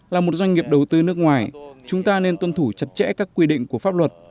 là một doanh nghiệp đầu tư nước ngoài chúng ta nên tuân thủ chặt chẽ các quy định của pháp luật